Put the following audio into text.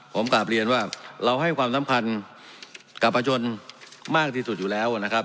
ผมกลับเรียนว่าเราให้ความสำคัญกับประชนมากที่สุดอยู่แล้วนะครับ